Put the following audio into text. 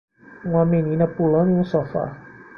Uma menina pulando em um sofá.